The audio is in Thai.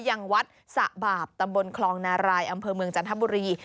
ยังวัดสะบาปตำบลคลองนารายอำเภอเมืองจันทบุรี